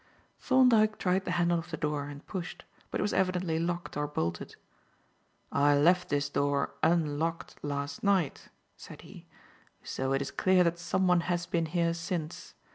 Thorndyke tried the handle of the door and pushed, but it was evidently locked or bolted. "I left this door unlocked last night," said he; "so it is clear that someone has been here since.